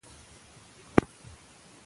ښوونه په پښتو کېږي، شاګرد نه پاتې کېږي.